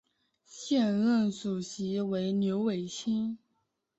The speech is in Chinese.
现任主席为刘伟清。